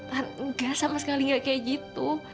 tan enggak sama sekali gak kayak gitu